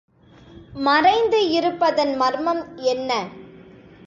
மறைந்து இருப்பதன் மர்மம் என்ன?